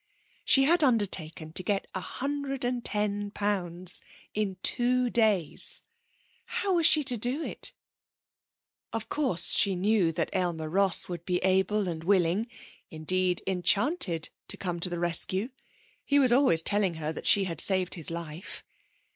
She had undertaken to get a hundred and ten pounds in two days. How was she to do it? Of course she knew that Aylmer Ross would be able and willing, indeed enchanted, to come to the rescue. He was always telling her that she had saved his life.